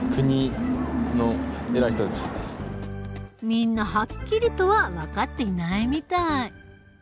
みんなはっきりとは分かっていないみたい。